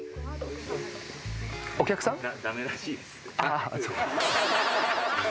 お客さん？あ。